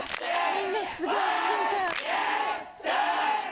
みんなすごい真剣。